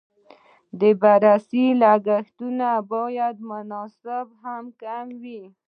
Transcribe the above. د بررسۍ لګښتونه باید مناسب او کم وي.